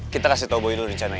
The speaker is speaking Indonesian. kita kasih tau boy dulu rencana ini